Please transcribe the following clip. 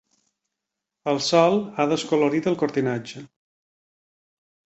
El sol ha descolorit el cortinatge.